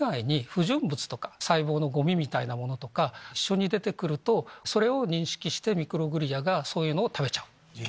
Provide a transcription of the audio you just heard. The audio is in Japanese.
細胞のゴミみたいなものとか一緒に出てくるとそれを認識してミクログリアがそういうのを食べちゃう。